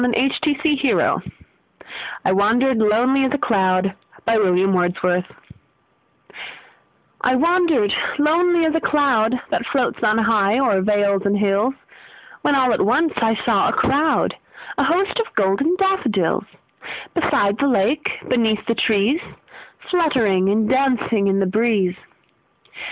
William Wordsworth I Wandered Lonely As a Cloud I WANDERED lonely as a cloud That floats on high o'er vales and hills, When all at once I saw a crowd, A host, of golden daffodils; Beside the lake, beneath the trees, Fluttering and dancing in the breeze.